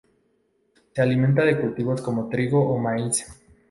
Se alimentan de cultivos como trigo o maíz.